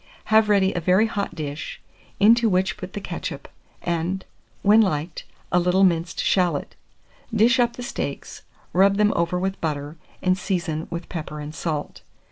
Have ready a very hot dish, into which put the ketchup, and, when liked, a little minced shalot; dish up the steaks, rub them over with butter, and season with pepper and salt.